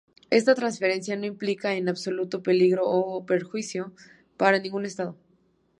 Esta transferencia no implica en absoluto peligro o perjuicio para ningún Estado.